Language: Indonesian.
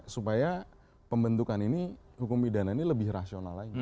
supaya pembentukan ini hukum pidana ini lebih rasional lagi